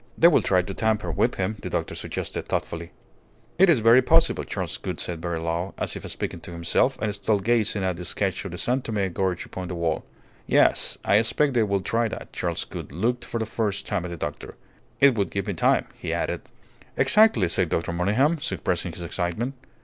"They will try to tamper with him," the doctor suggested, thoughtfully. "It is very possible," Charles Gould said very low, as if speaking to himself, and still gazing at the sketch of the San Tome gorge upon the wall. "Yes, I expect they will try that." Charles Gould looked for the first time at the doctor. "It would give me time," he added. "Exactly," said Dr. Monygham, suppressing his excitement.